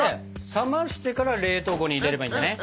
冷ましてから冷凍庫に入れればいいんだね？